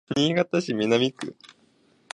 新潟市南区